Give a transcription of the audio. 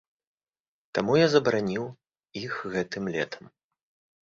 Таму я забараніў іх гэтым летам.